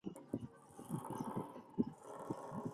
陈汝康为海宁十庙前陈氏迁居后的六代祖。